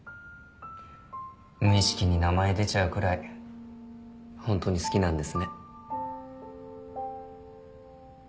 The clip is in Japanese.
無意識に名前出ちゃうくらいホントに好きなんですね。